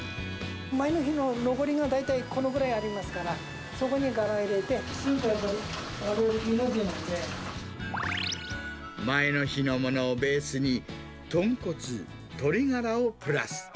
前の日の残りが大体このぐらいありますから、そこにガラ入れて、前の日のものをベースに、豚骨、鶏ガラをプラス。